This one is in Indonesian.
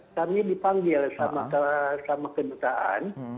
kami dipanggil sama kedutaan